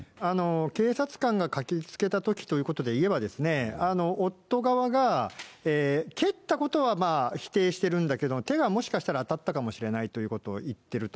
警察官が駆けつけたときということでいえばですね、夫側が蹴ったことは否定してるんだけど、手がもしかしたら当たったかもしれないということを言ってると。